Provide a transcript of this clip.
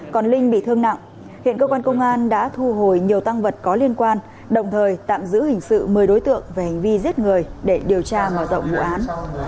còn linh bị thương nặng hiện cơ quan công an đã thu hồi nhiều tăng vật có liên quan đồng thời tạm giữ hình sự một mươi đối tượng về hành vi giết người để điều tra mở rộng vụ án